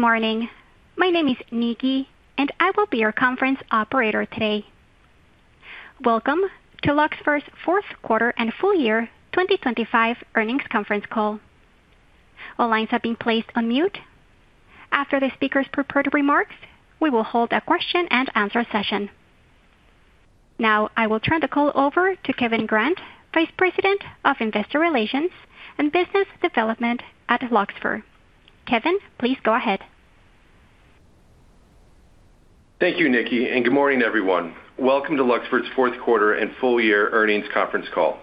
Good morning. My name is Nikki, and I will be your conference operator today. Welcome to Luxfer's fourth quarter and full year 2025 earnings conference call. All lines have been placed on mute. After the speakers' prepared remarks, we will hold a question-and-answer session. Now I will turn the call over to Kevin Grant, Vice President of Investor Relations and Business Development at Luxfer. Kevin, please go ahead. Thank you, Nikki. Good morning, everyone. Welcome to Luxfer's fourth quarter and full year earnings conference call.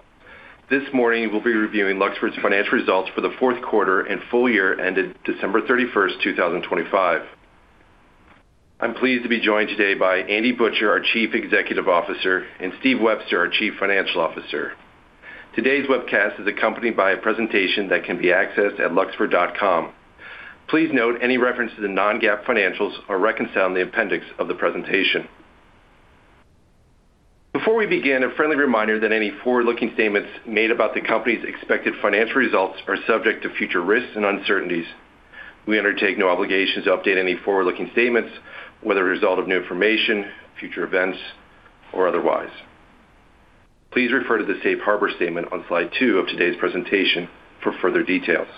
This morning, we'll be reviewing Luxfer's financial results for the fourth quarter and full year ended December 31st, 2025. I'm pleased to be joined today by Andy Butcher, our Chief Executive Officer, and Steve Webster, our Chief Financial Officer. Today's webcast is accompanied by a presentation that can be accessed at luxfer.com. Please note, any reference to the non-GAAP financials are reconciled in the appendix of the presentation. Before we begin, a friendly reminder that any forward-looking statements made about the company's expected financial results are subject to future risks and uncertainties. We undertake no obligations to update any forward-looking statements, whether a result of new information, future events, or otherwise. Please refer to the safe harbor statement on slide two of today's presentation for further details.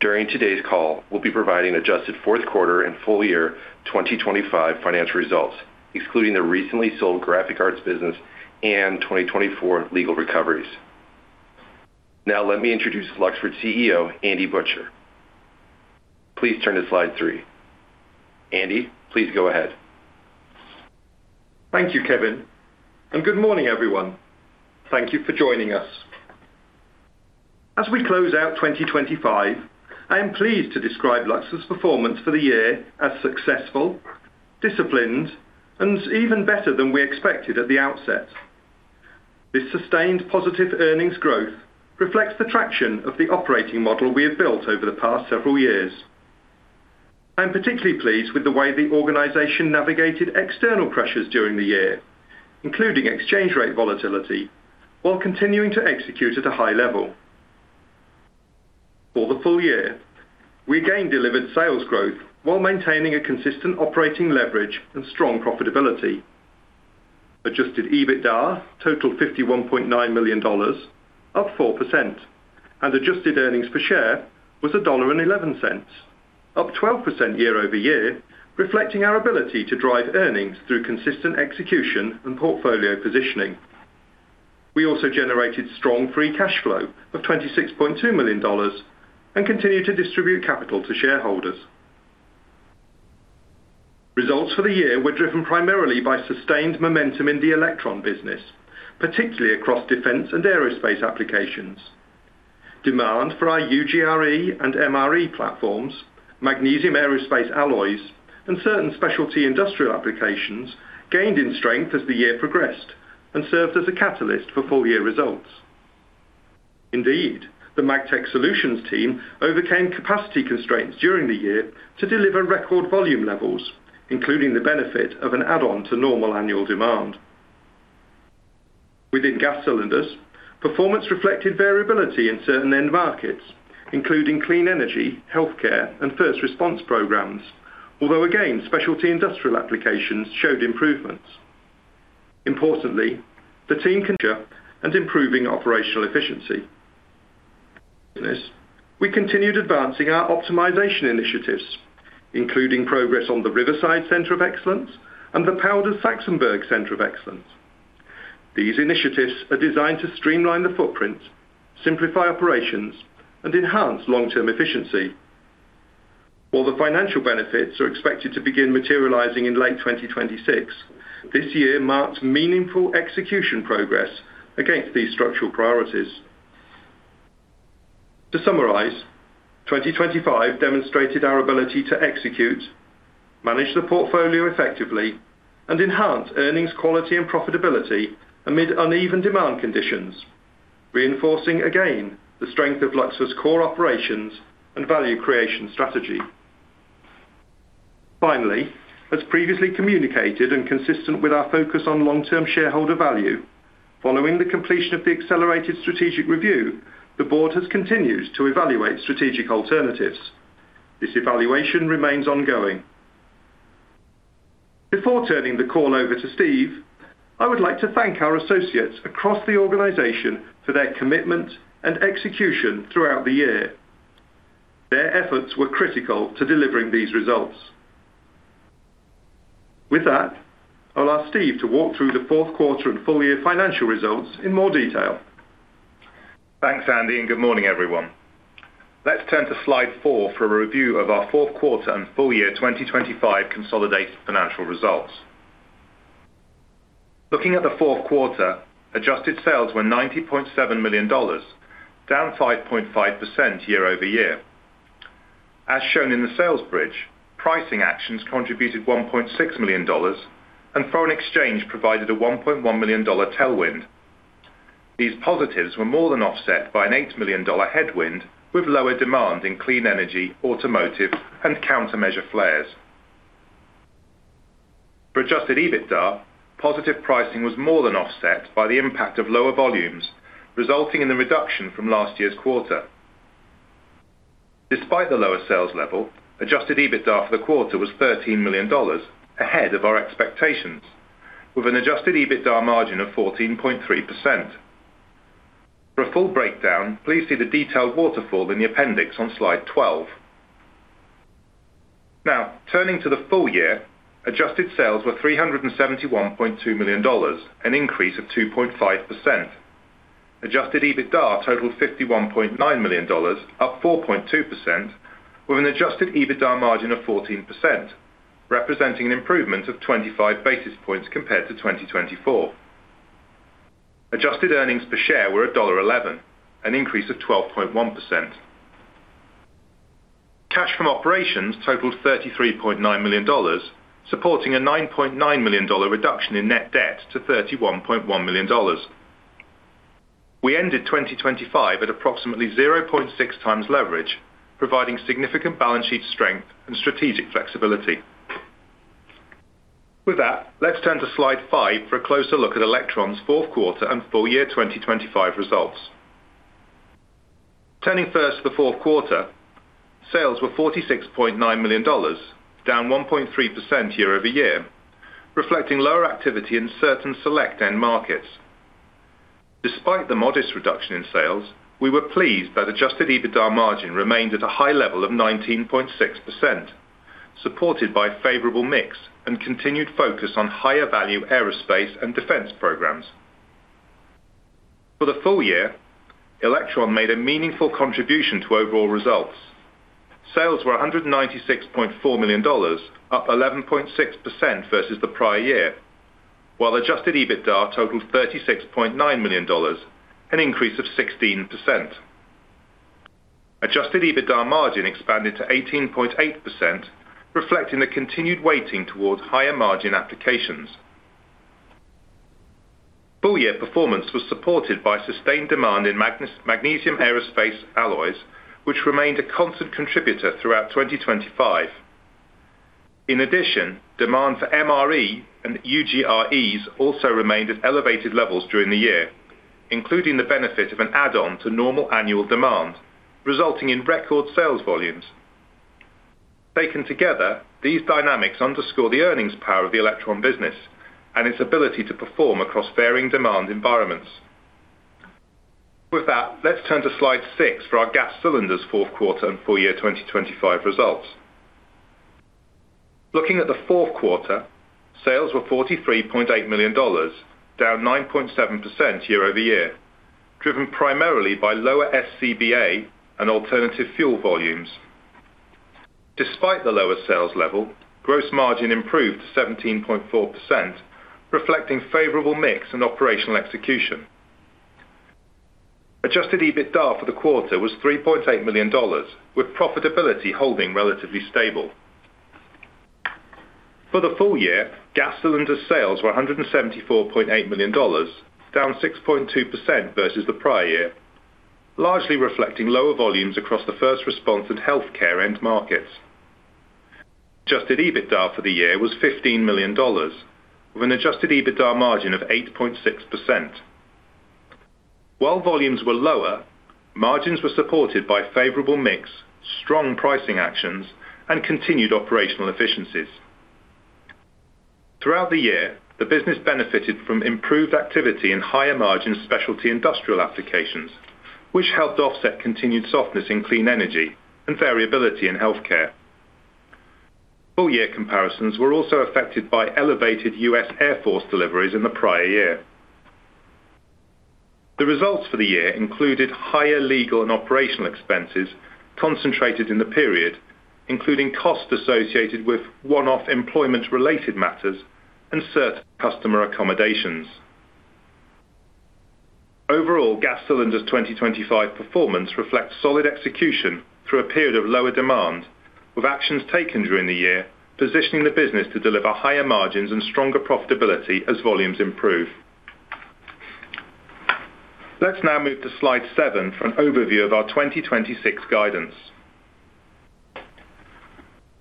During today's call, we'll be providing adjusted fourth quarter and full year 2025 financial results, excluding the recently sold Graphic Arts business and 2024 legal recoveries. Let me introduce Luxfer's CEO, Andy Butcher. Please turn to slide three. Andy, please go ahead. Thank you, Kevin. Good morning, everyone. Thank you for joining us. As we close out 2025, I am pleased to describe Luxfer's performance for the year as successful, disciplined, and even better than we expected at the outset. This sustained positive earnings growth reflects the traction of the operating model we have built over the past several years. I'm particularly pleased with the way the organization navigated external pressures during the year, including exchange rate volatility, while continuing to execute at a high level. For the full year, we again delivered sales growth while maintaining a consistent operating leverage and strong profitability. adjusted EBITDA totaled $51.9 million, up 4%, and Adjusted earnings per share was $1.11, up 12% year-over-year, reflecting our ability to drive earnings through consistent execution and portfolio positioning. We also generated strong free cash flow of $26.2 million and continued to distribute capital to shareholders. Results for the year were driven primarily by sustained momentum in the Elektron business, particularly across defense and aerospace applications. Demand for our UGR-E and MRE platforms, magnesium aerospace alloys, and certain specialty industrial applications gained in strength as the year progressed and served as a catalyst for full-year results. Indeed, the Magtech Solutions team overcame capacity constraints during the year to deliver record volume levels, including the benefit of an add-on to normal annual demand. Within Gas Cylinders, performance reflected variability in certain end markets, including clean energy, healthcare, and first response programs. Again, specialty industrial applications showed improvements. Importantly, the team and improving operational efficiency. We continued advancing our optimization initiatives, including progress on the Riverside Center of Excellence and the Powder Saxonburg Center of Excellence. These initiatives are designed to streamline the footprint, simplify operations, and enhance long-term efficiency. While the financial benefits are expected to begin materializing in late 2026, this year marks meaningful execution progress against these structural priorities. To summarize, 2025 demonstrated our ability to execute, manage the portfolio effectively, and enhance earnings quality and profitability amid uneven demand conditions, reinforcing again the strength of Luxfer's core operations and value creation strategy. As previously communicated and consistent with our focus on long-term shareholder value, following the completion of the accelerated strategic review, the board has continued to evaluate strategic alternatives. This evaluation remains ongoing. Before turning the call over to Steve, I would like to thank our associates across the organization for their commitment and execution throughout the year. Their efforts were critical to delivering these results. With that, I'll ask Steve to walk through the fourth quarter and full year financial results in more detail. Thanks, Andy, good morning, everyone. Let's turn to slide four for a review of our fourth quarter and full year 2025 consolidated financial results. Looking at the fourth quarter, adjusted sales were $90.7 million, down 5.5% year-over-year. As shown in the sales bridge, pricing actions contributed $1.6 million, and foreign exchange provided a $1.1 million tailwind. These positives were more than offset by an $8 million headwind, with lower demand in clean energy, automotive, and countermeasure flares. For adjusted EBITDA, positive pricing was more than offset by the impact of lower volumes, resulting in a reduction from last year's quarter. Despite the lower sales level, adjusted EBITDA for the quarter was $13 million, ahead of our expectations, with an adjusted EBITDA margin of 14.3%. For a full breakdown, please see the detailed waterfall in the appendix on slide 12. Now, turning to the full year, Adjusted sales were $371.2 million, an increase of 2.5%. adjusted EBITDA totaled $51.9 million, up 4.2%, with an adjusted EBITDA margin of 14%, representing an improvement of 25 basis points compared to 2024. Adjusted earnings per share were $1.11, an increase of 12.1%. Cash from operations totaled $33.9 million, supporting a $9.9 million reduction in net debt to $31.1 million. We ended 2025 at approximately 0.6x leverage, providing significant balance sheet strength and strategic flexibility. Let's turn to slide five for a closer look at Elektron's fourth quarter and full year 2025 results. Turning first to the fourth quarter, sales were $46.9 million, down 1.3% year-over-year, reflecting lower activity in certain select end markets. Despite the modest reduction in sales, we were pleased that adjusted EBITDA margin remained at a high level of 19.6%, supported by favorable mix and continued focus on higher value Aerospace & Defense programs. For the full year, Elektron made a meaningful contribution to overall results. Sales were $196.4 million, up 11.6% versus the prior year, while adjusted EBITDA totaled $36.9 million, an increase of 16%. Adjusted EBITDA margin expanded to 18.8%, reflecting the continued weighting towards higher-margin applications. Full-year performance was supported by sustained demand in magnesium aerospace alloys, which remained a constant contributor throughout 2025. In addition, demand for MRE and UGREs also remained at elevated levels during the year, including the benefit of an add-on to normal annual demand, resulting in record sales volumes. Taken together, these dynamics underscore the earnings power of the Elektron business and its ability to perform across varying demand environments. With that, let's turn to slide six for our Gas Cylinders fourth quarter and full year 2025 results. Looking at the fourth quarter, sales were $43.8 million, down 9.7% year-over-year, driven primarily by lower SCBA and alternative fuel volumes. Despite the lower sales level, gross margin improved to 17.4%, reflecting favorable mix and operational execution. Adjusted EBITDA for the quarter was $3.8 million, with profitability holding relatively stable. For the full year, gas cylinder sales were $174.8 million, down 6.2% versus the prior year, largely reflecting lower volumes across the first response and healthcare end markets. Adjusted EBITDA for the year was $15 million, with an adjusted EBITDA margin of 8.6%. While volumes were lower, margins were supported by favorable mix, strong pricing actions, and continued operational efficiencies. Throughout the year, the business benefited from improved activity in higher-margin specialty industrial applications, which helped offset continued softness in clean energy and variability in healthcare. Full-year comparisons were also affected by elevated U.S. Air Force deliveries in the prior year. The results for the year included higher legal and operational expenses concentrated in the period, including costs associated with one-off employment-related matters and certain customer accommodations. Overall, Gas Cylinders' 2025 performance reflects solid execution through a period of lower demand, with actions taken during the year, positioning the business to deliver higher margins and stronger profitability as volumes improve. Let's now move to slide seven for an overview of our 2026 guidance.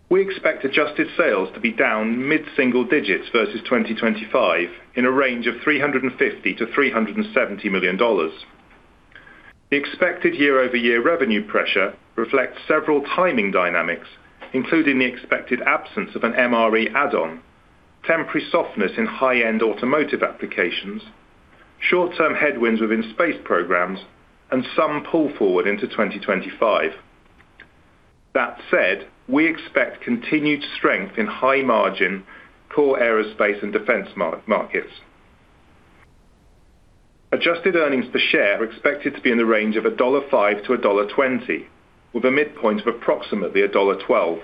We expect adjusted sales to be down mid-single digits versus 2025, in a range of $350 million-$370 million. The expected year-over-year revenue pressure reflects several timing dynamics, including the expected absence of an MRE add-on, temporary softness in high-end automotive applications, short-term headwinds within space programs, and some pull forward into 2025. That said, we expect continued strength in high-margin core Aerospace & Defense markets. Adjusted earnings per share are expected to be in the range of $1.05-$1.20, with a midpoint of approximately $1.12.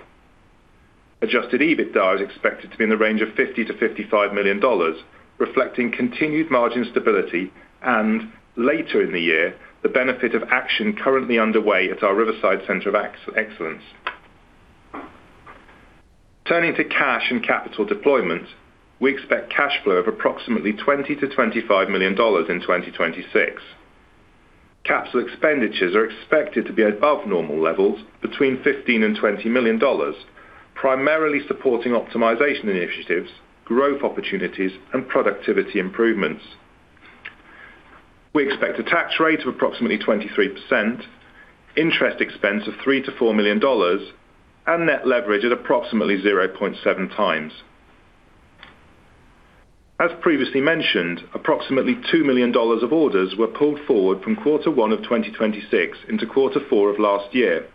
Adjusted EBITDA is expected to be in the range of $50 million-$55 million, reflecting continued margin stability and, later in the year, the benefit of action currently underway at our Riverside Center of Excellence. Turning to cash and capital deployment, we expect cash flow of approximately $20 million-$25 million in 2026. Capital expenditures are expected to be above normal levels, between $15 million and $20 million, primarily supporting optimization initiatives, growth opportunities, and productivity improvements. We expect a tax rate of approximately 23%, interest expense of $3 million-$4 million, and net leverage at approximately 0.7x. As previously mentioned, approximately $2 million of orders were pulled forward from quarter one of 2026 into quarter four of last year,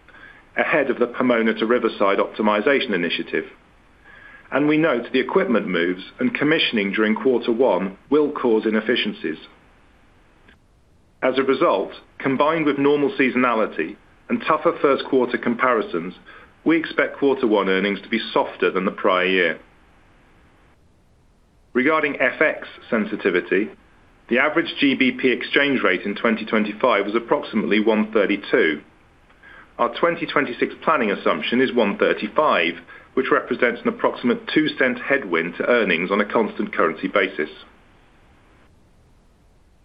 ahead of the Pomona to Riverside optimization initiative. We note the equipment moves and commissioning during quarter one will cause inefficiencies. As a result, combined with normal seasonality and tougher first quarter comparisons, we expect quarter one earnings to be softer than the prior year. Regarding FX sensitivity, the average GBP exchange rate in 2025 was approximately 1.32. Our 2026 planning assumption is 1.35, which represents an approximate $0.02 headwind to earnings on a constant currency basis.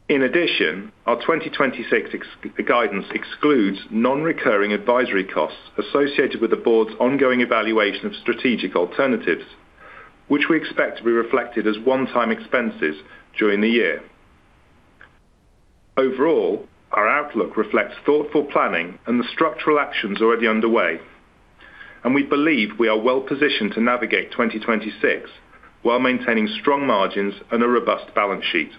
Our 2026 ex-guidance excludes non-recurring advisory costs associated with the board's ongoing evaluation of strategic alternatives, which we expect to be reflected as one-time expenses during the year. Overall, our outlook reflects thoughtful planning and the structural actions already underway. We believe we are well positioned to navigate 2026 while maintaining strong margins and a robust balance sheet.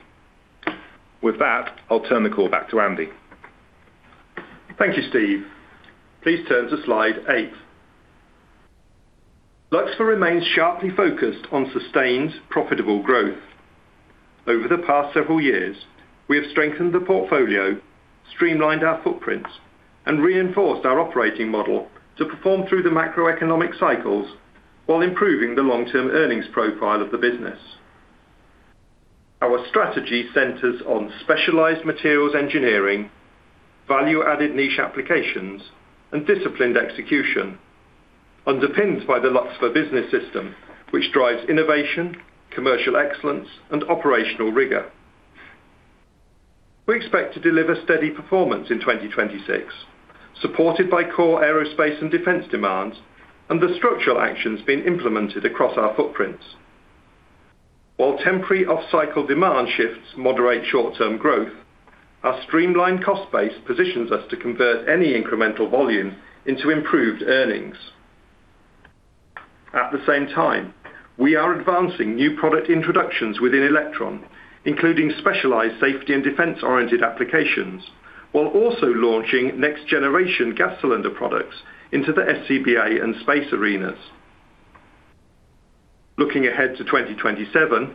With that, I'll turn the call back to Andy. Thank you, Steve. Please turn to slide eight. Luxfer remains sharply focused on sustained, profitable growth. Over the past several years, we have strengthened the portfolio, streamlined our footprints, and reinforced our operating model to perform through the macroeconomic cycles while improving the long-term earnings profile of the business. Our strategy centers on specialized materials engineering, value-added niche applications, and disciplined execution, underpinned by the Luxfer Business System, which drives innovation, commercial excellence, and operational rigor. We expect to deliver steady performance in 2026, supported by core Aerospace & Defense demands and the structural actions being implemented across our footprints. While temporary off-cycle demand shifts moderate short-term growth, our streamlined cost base positions us to convert any incremental volume into improved earnings. At the same time, we are advancing new product introductions within Elektron, including specialized safety and defense-oriented applications, while also launching next-generation gas cylinder products into the SCBA and space arenas. Looking ahead to 2027,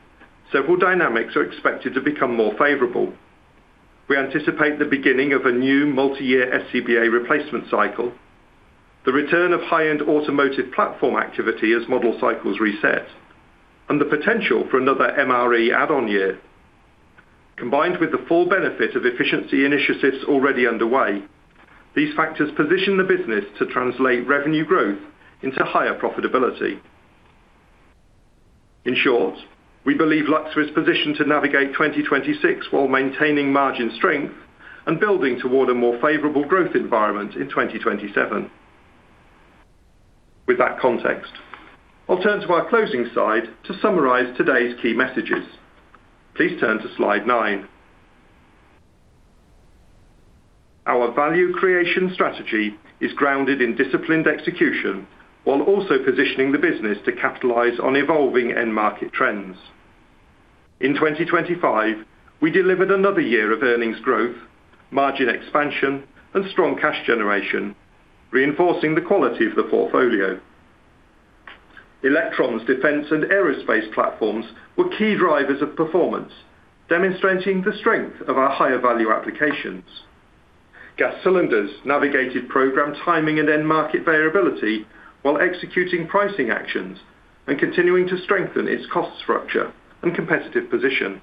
several dynamics are expected to become more favorable. We anticipate the beginning of a new multi-year SCBA replacement cycle, the return of high-end automotive platform activity as model cycles reset, and the potential for another MRE add-on year. Combined with the full benefit of efficiency initiatives already underway, these factors position the business to translate revenue growth into higher profitability. In short, we believe Luxfer is positioned to navigate 2026 while maintaining margin strength and building toward a more favorable growth environment in 2027. With that context, I'll turn to our closing slide to summarize today's key messages. Please turn to slide nine. Our value creation strategy is grounded in disciplined execution while also positioning the business to capitalize on evolving end market trends. In 2025, we delivered another year of earnings growth, margin expansion, and strong cash generation, reinforcing the quality of the portfolio. Elektron, defense, and aerospace platforms were key drivers of performance, demonstrating the strength of our higher value applications. Gas Cylinders navigated program timing and end market variability while executing pricing actions and continuing to strengthen its cost structure and competitive position.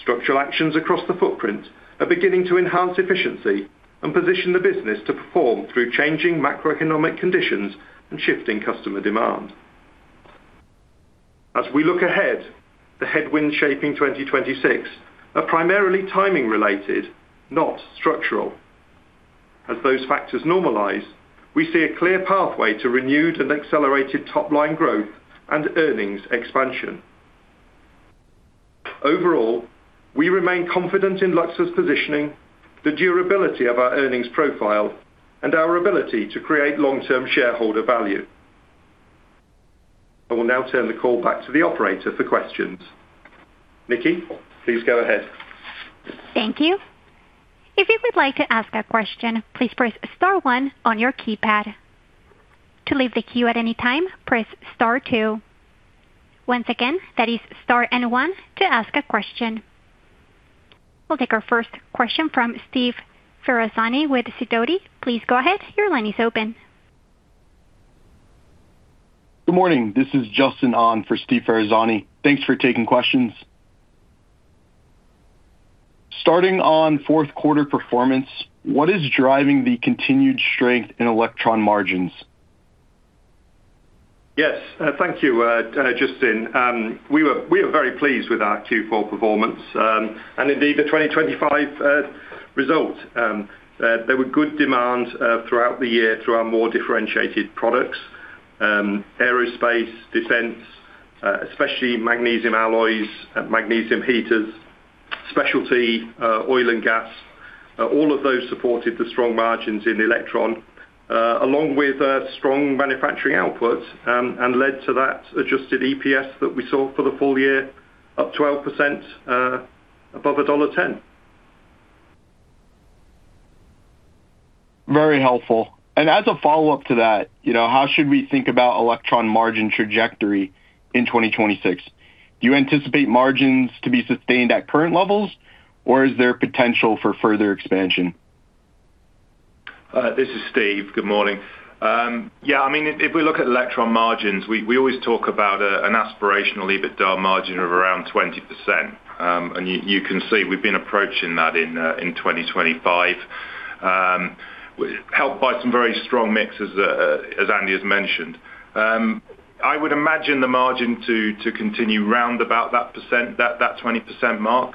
Structural actions across the footprint are beginning to enhance efficiency and position the business to perform through changing macroeconomic conditions and shifting customer demand. As we look ahead, the headwinds shaping 2026 are primarily timing related, not structural. As those factors normalize, we see a clear pathway to renewed and accelerated top-line growth and earnings expansion. Overall, we remain confident in Lux's positioning, the durability of our earnings profile, and our ability to create long-term shareholder value. I will now turn the call back to the operator for questions. Nikki, please go ahead. Thank you. If you would like to ask a question, please press star one on your keypad. To leave the queue at any time, press star two. Once again, that is star and one to ask a question. We'll take our first question from Steve Ferazani with Sidoti. Please go ahead. Your line is open. Good morning. This is Justin on for Steve Ferazani. Thanks for taking questions. Starting on fourth quarter performance, what is driving the continued strength in Elektron margins? Yes, thank you, Justin. We were, we are very pleased with our Q4 performance, and indeed, the 2025 result. There were good demand throughout the year through our more differentiated products, aerospace, defense, especially magnesium alloys and magnesium heaters, specialty oil and gas. All of those supported the strong margins in Elektron, along with strong manufacturing output, and led to that adjusted EPS that we saw for the full year, up 12%, above $1.10. Very helpful. As a follow-up to that, you know, how should we think about Elektron margin trajectory in 2026? Do you anticipate margins to be sustained at current levels, or is there potential for further expansion? This is Steve. Good morning. Yeah, I mean, if we look at Elektron margins, we always talk about an aspirational EBITDA margin of around 20%. You can see we've been approaching that in 2025, helped by some very strong mixes, as Andy has mentioned. I would imagine the margin to continue round about that 20% mark.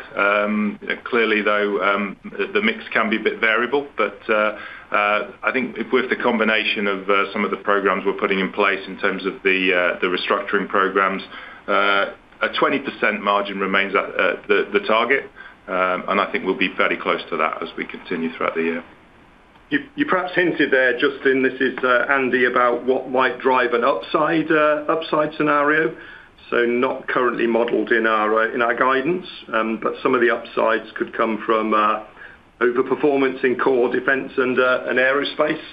Clearly, though, the mix can be a bit variable, but I think with the combination of some of the programs we're putting in place in terms of the restructuring programs, a 20% margin remains at the target, and I think we'll be fairly close to that as we continue throughout the year. You perhaps hinted there, Justin, this is Andy, about what might drive an upside scenario. Not currently modeled in our in our guidance. Some of the upsides could come from overperformance in core defense and aerospace,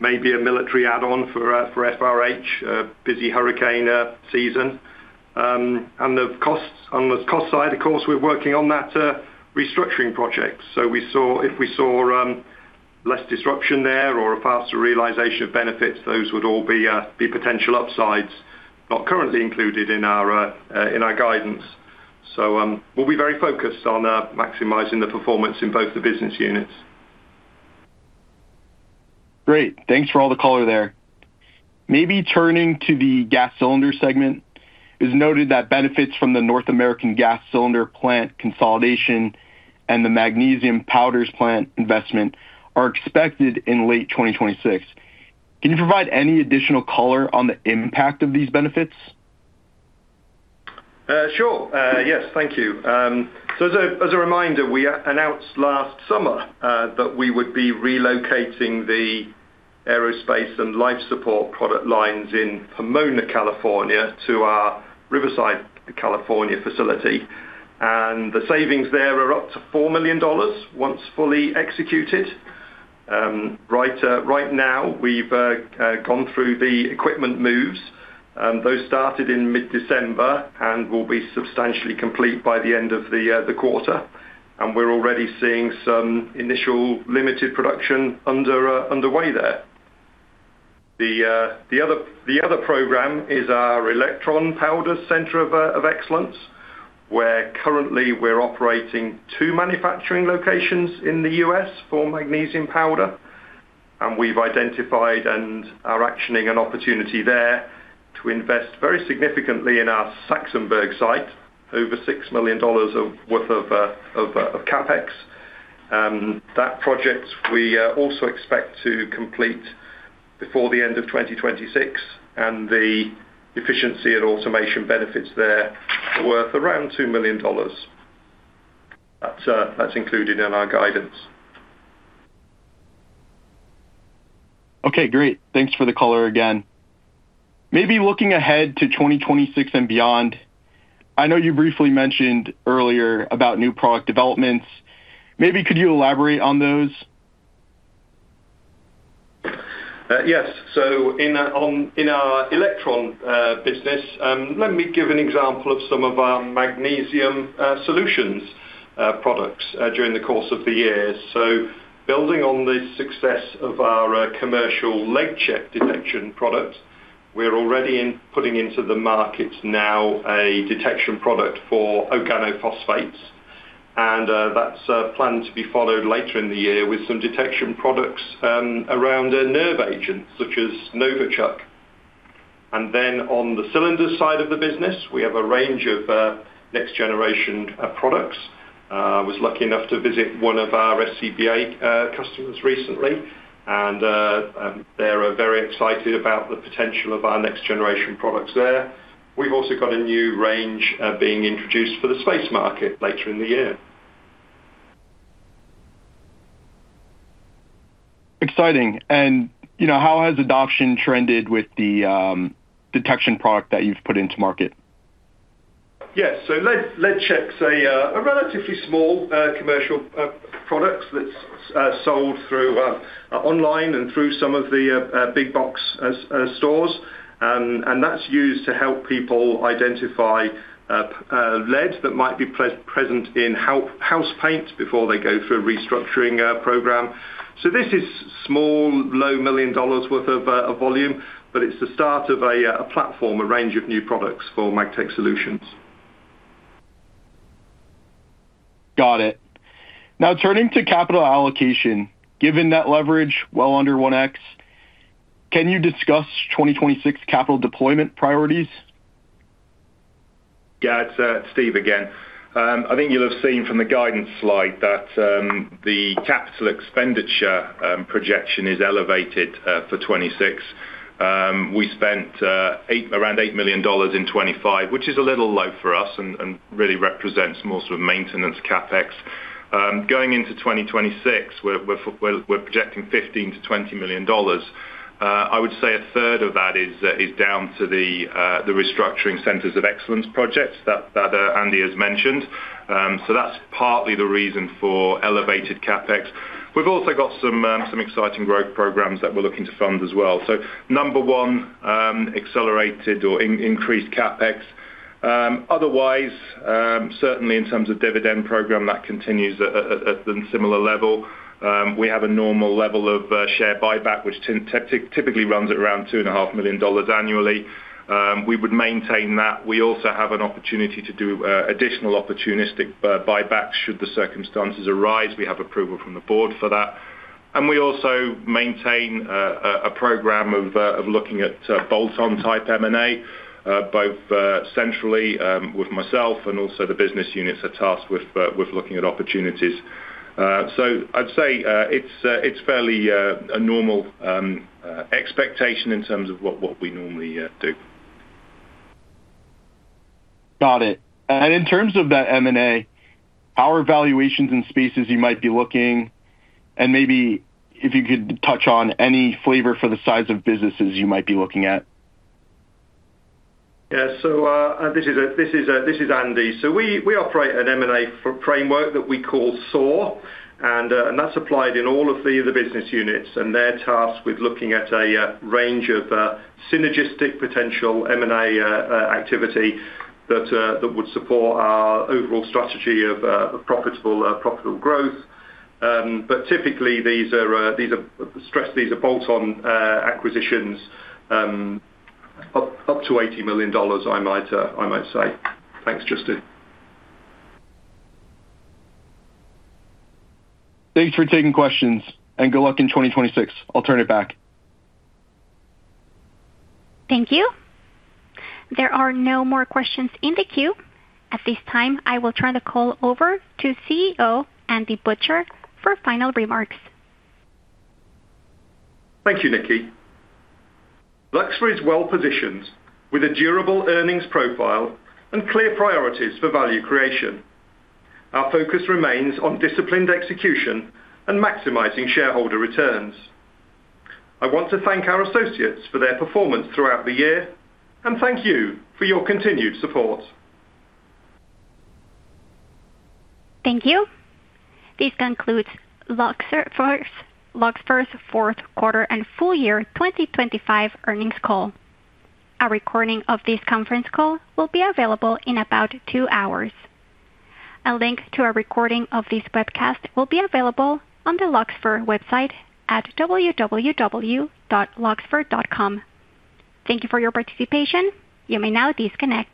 maybe a military add-on for FRH, a busy hurricane season. The costs, on the cost side, of course, we're working on that restructuring project. If we saw less disruption there or a faster realization of benefits, those would all be potential upsides, not currently included in our in our guidance. We'll be very focused on maximizing the performance in both the business units. Great. Thanks for all the color there. Turning to the Gas Cylinder segment, it's noted that benefits from the North American Gas Cylinder plant consolidation and the magnesium powders plant investment are expected in late 2026. Can you provide any additional color on the impact of these benefits? Sure. Yes, thank you. As a reminder, we announced last summer that we would be relocating the aerospace and life support product lines in Pomona, California, to our Riverside, California, facility, and the savings there are up to $4 million once fully executed. Right, right now, we've gone through the equipment moves. Those started in mid-December and will be substantially complete by the end of the quarter, and we're already seeing some initial limited production underway there. The other program is our Elektron Powder Center of Excellence, where currently we're operating 2 manufacturing locations in the U.S. for magnesium powder, and we've identified and are actioning an opportunity there to invest very significantly in our Saxonburg site, over $6 million of CapEx. That project, we also expect to complete before the end of 2026, and the efficiency and automation benefits there are worth around $2 million. That's included in our guidance. Okay, great. Thanks for the color again. Maybe looking ahead to 2026 and beyond, I know you briefly mentioned earlier about new product developments. Maybe could you elaborate on those? Yes. In our Elektron business, let me give an example of some of our magnesium solutions products during the course of the year. Building on the success of our commercial LeadCheck detection product, we're already putting into the market now a detection product for organophosphates. That's planned to be followed later in the year with some detection products around a nerve agent, such as Novichok. On the cylinder side of the business, we have a range of next-generation products. I was lucky enough to visit one of our SCBA customers recently, and they are very excited about the potential of our next-generation products there. We've also got a new range being introduced for the space market later in the year. Exciting. You know, how has adoption trended with the detection product that you've put into market? Yes. LeadCheck's a relatively small commercial product that's sold through online and through some of the big box stores. That's used to help people identify lead that might be present in house paint before they go through a restructuring program. This is small, low million dollars worth of volume, but it's the start of a platform, a range of new products for Magtech Solutions. Got it. Turning to capital allocation, given net leverage well under 1x, can you discuss 2026 capital deployment priorities? Yeah, it's Steve again. I think you'll have seen from the guidance slide that the capital expenditure projection is elevated for 2026. We spent around $8 million in 2025, which is a little low for us and really represents more sort of maintenance CapEx. Going into 2026, we're projecting $15 million-$20 million. I would say a third of that is down to the restructuring Centers of Excellence projects that Andy has mentioned. That's partly the reason for elevated CapEx. We've also got some exciting growth programs that we're looking to fund as well. Number one, accelerated or increased CapEx. Otherwise, certainly in terms of dividend program, that continues at a similar level. We have a normal level of share buyback, which typically runs at around two and a half million dollars annually. We would maintain that. We also have an opportunity to do additional opportunistic buybacks should the circumstances arise. We have approval from the board for that. We also maintain a program of looking at bolt-on type M&A, both centrally with myself and also the business units are tasked with looking at opportunities. I'd say it's fairly a normal expectation in terms of what we normally do. Got it. In terms of that M&A, how are valuations and spaces you might be looking? Maybe if you could touch on any flavor for the size of businesses you might be looking at. This is Andy. We operate an M&A for framework that we call SOAR, and that's applied in all of the business units, and they're tasked with looking at a range of synergistic potential M&A activity that would support our overall strategy of profitable growth. Typically, these are bolt-on acquisitions, up to $80 million, I might say. Thanks, Justin. Thanks for taking questions, and good luck in 2026. I'll turn it back. Thank you. There are no more questions in the queue. At this time, I will turn the call over to CEO, Andy Butcher, for final remarks. Thank you, Nikki. Luxfer is well positioned with a durable earnings profile and clear priorities for value creation. Our focus remains on disciplined execution and maximizing shareholder returns. I want to thank our associates for their performance throughout the year, and thank you for your continued support. Thank you. This concludes Luxfer's fourth quarter and full year 2025 earnings call. A recording of this conference call will be available in about two hours. A link to a recording of this webcast will be available on the Luxfer website at www.luxfer.com. Thank you for your participation. You may now disconnect.